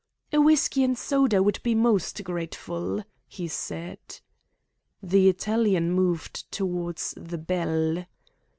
"A whisky and soda would be most grateful," he said. The Italian moved towards the bell.